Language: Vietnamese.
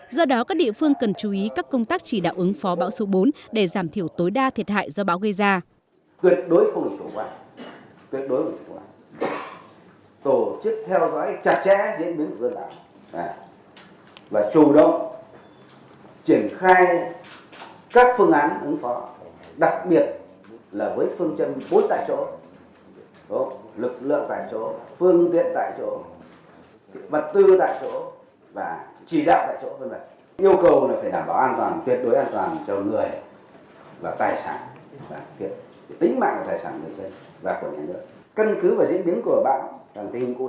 do đó các địa phương cần chú ý các công tác chỉ đạo ứng phó bão số bốn để giảm thiểu tối đa thiệt hại do bão gây ra